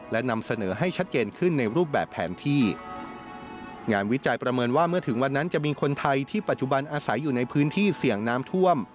และนำเสนอให้ชัดเจนขึ้นในรูปแบบแผนที่งานวิจัยประเมินว่าเมื่อถึงวันนั้นจะมีคนไทยที่ปัจจุบันอาศัยอยู่ในพื้นที่เสี่ยงน้ำท่วม